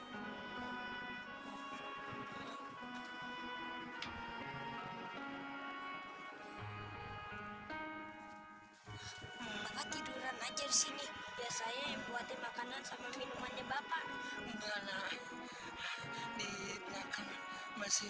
maka tiduran aja sini biasanya yang buatin makanan sama minuman bapak enggak lah masih